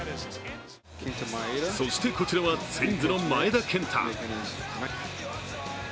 そして、こちらはツインズの前田健太。